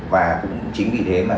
và cũng chính vì thế